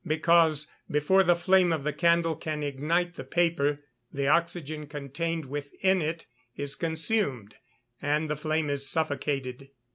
_ Because, before the flame of the candle can ignite the paper, the oxygen contained within it is consumed, and the flame is suffocated.